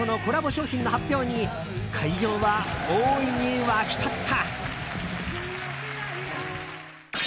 商品の発表に会場は大いに沸き立った。